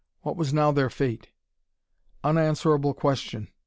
What was now their fate? Unanswerable question!